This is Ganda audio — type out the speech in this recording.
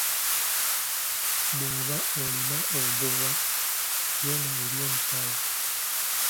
Bw’oba olina obubwa genda eri omusawo.